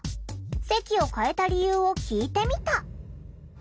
席を替えた理由を聞いてみた。